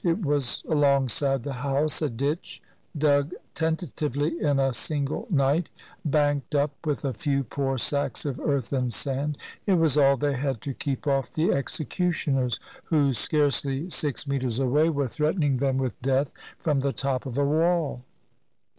It was alongside the house, — a ditch dug tentatively in a single night, banked up with a few poor sacks of earth and sand; it was all they had to keep off the executioners, who, scarcely six meters away, were threatening them with death from the top of a wall.